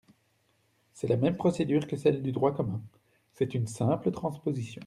C’est la même procédure que celle du droit commun : c’est une simple transposition.